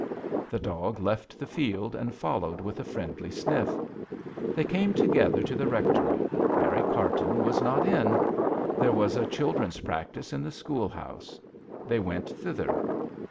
The dog left the field and followed with a friendly sniff. They came together to the rectory. Mary Carton was not in. There was a children's practice in the school house. They went thither.